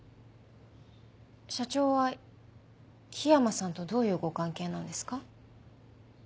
社長は桧山さんとどういうご関係なんですか？